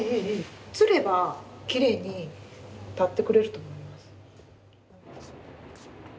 吊ればきれいに立ってくれると思います。